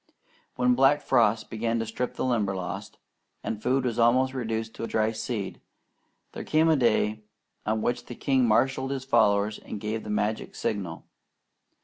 When black frosts began to strip the Limberlost, and food was almost reduced to dry seed, there came a day on which the king marshalled his followers and gave the magic signal.